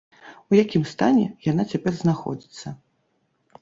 У якім стане яна цяпер знаходзіцца?